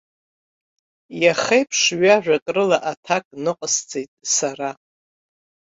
Иахеиԥш ҩажәак рыла аҭак ныҟасҵеит сара.